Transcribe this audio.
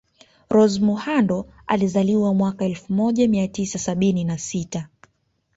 Rose Muhando alizaliwa mwaka elfu moja mia tisa sabini na sita